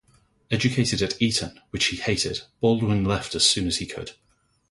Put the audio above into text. Educated at Eton, which he hated, Baldwin left as soon as he could.